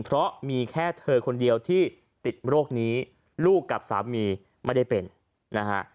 เพราะมีแค่เธอคนเดียวที่ติดโรคนี้ลูกกับสามีไม่ได้เป็นนะฮะ